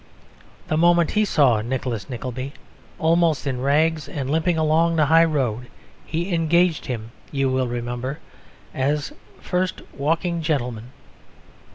The moment he saw Nicholas Nickleby, almost in rags and limping along the high road, he engaged him (you will remember) as first walking gentleman.